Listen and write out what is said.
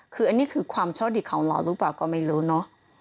คืออันนี้คือความโชคดีของเราหรือเปล่าก็ไม่รู้เนอะ